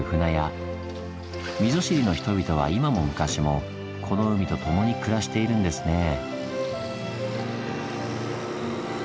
溝尻の人々は今も昔もこの海とともに暮らしているんですねぇ。